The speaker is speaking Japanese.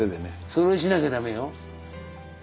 それしなきゃダメよ。